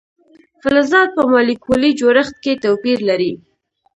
فلزات په مالیکولي جوړښت کې توپیر لري.